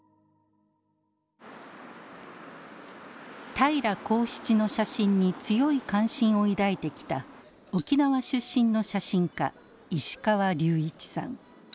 平良孝七の写真に強い関心を抱いてきた沖縄出身の写真家石川竜一さん。